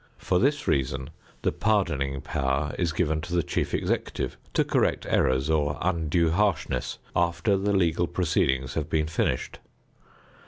For this reason, the pardoning power is given to the chief executive to correct errors or undue harshness after the legal proceedings have been finished.